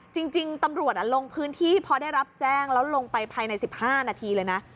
จริงตำรวจลงพื้นที่พอได้รับแจ้งแล้วลงไปภายใน๑๕นาทีเลยนะ